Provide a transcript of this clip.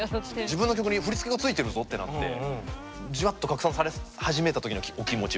自分の曲に振付がついてるぞってなってジワッと拡散され始めた時のお気持ちは？